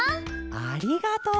「ありがとう」かあ！